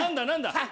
何だ？